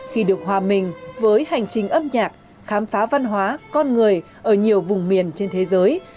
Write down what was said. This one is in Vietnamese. khi được hòa mình với hành trình âm nhạc khám phá văn hóa con người ở nhiều vùng miền trên thế giới